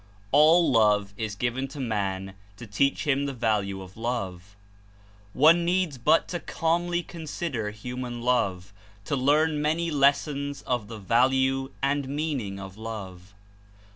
All love is given to man to teach him the value of love. One needs but to calmly consider human love to learn many lessons of the value and meaning of love.